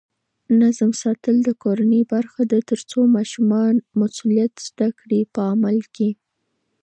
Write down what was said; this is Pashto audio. نظم ساتل د کورنۍ برخه ده ترڅو ماشومان مسؤلیت زده کړي په عمل کې.